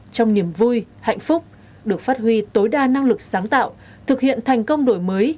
trong niềm vui hạnh phúc được phát huy tối đa năng lực sáng tạo thực hiện thành công đổi mới